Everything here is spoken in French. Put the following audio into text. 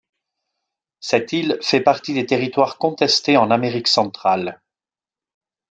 Cette île fait partie des territoires contestés en Amérique centrale.